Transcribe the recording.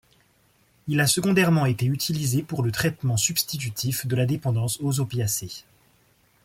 Il a secondairement été utilisé pour le traitement substitutif de la dépendance aux opiacés.